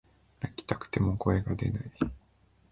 泣きたくても声が出ない